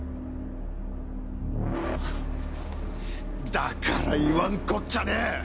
だから言わんこっちゃねえ！